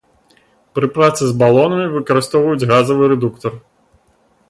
Пры працы з балонамі выкарыстоўваюць газавы рэдуктар.